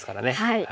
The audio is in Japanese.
はい。